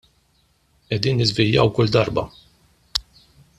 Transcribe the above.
Qegħdin niżvijaw kull darba.